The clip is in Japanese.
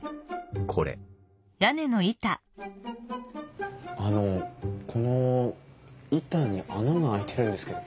これあのこの板に穴が開いてるんですけど。